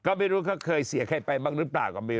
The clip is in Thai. ก็ไม่รู้เขาเคยเสียใครไปบ้างหรือเปล่าก็ไม่รู้